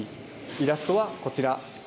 イラストはこちら。